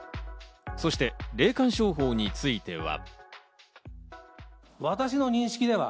そして霊感商法については。